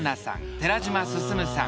寺島進さん。